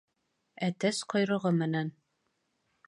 Әтәс ҡойроғо менән